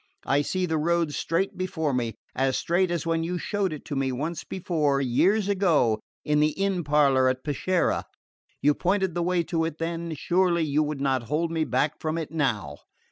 I see the road straight before me as straight as when you showed it to me once before, years ago, in the inn parlour at Peschiera. You pointed the way to it then; surely you would not hold me back from it now?"